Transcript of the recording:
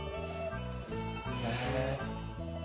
へえ。